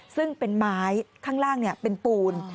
ซึ่งเป็นไม้ข้างล่างเป็นปูน